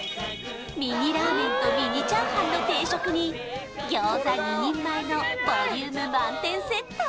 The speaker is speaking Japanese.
ミニラーメンとミニチャーハンの定食に餃子２人前のボリューム満点セット！